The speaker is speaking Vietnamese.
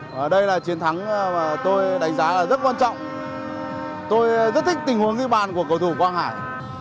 tất cả các chiến thắng mà tôi đánh giá là rất quan trọng tôi rất thích tình huống như bàn của cầu thủ quang hải